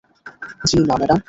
জি না ম্যাডাম।